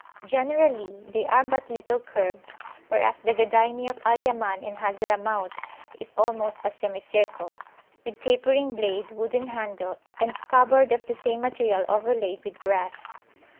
Generally they are but little curved (whereas the Gadaymi of Al Yaman and Hazramaut is almost a semicircle), with tapering blade, wooden handle, and scabbard of the same material overlaid with brass.